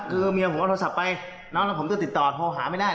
คือเมียผมเอาโทรศัพท์ไปน้องแล้วผมจะติดต่อโทรหาไม่ได้